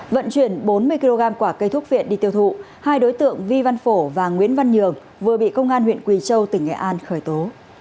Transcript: vận chuyển bốn mươi kg quả cây thuốc viện đi tiêu thụ hai đối tượng vi văn phổ và nguyễn văn nhường vừa bị công an huyện quỳ châu tỉnh nghệ an khởi tố